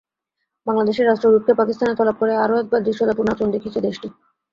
বাংলাদেশের রাষ্ট্রদূতকে পাকিস্তানে তলব করে আরও একবার ধৃষ্টতাপূর্ণ আচরণ দেখিয়েছে দেশটি।